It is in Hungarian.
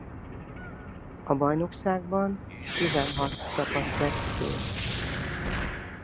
A bajnokságban tizenhat csapat vesz részt.